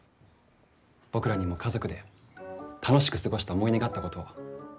僕らにも家族で楽しく過ごした思い出があったことを。